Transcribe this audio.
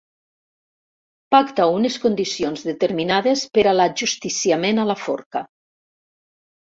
Pacta unes condicions determinades per a l'ajusticiament a la forca.